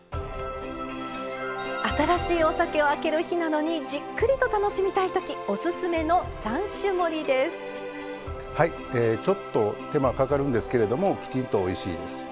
新しいお酒を開ける日などにじっくりと楽しみたいときちょっと手間はかかるんですけどきちんとおいしいです。